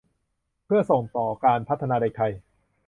เพื่อส่งต่อการพัฒนาเด็กไทย